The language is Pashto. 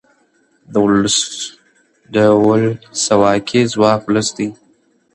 د ولسواکۍ ځواک ولس دی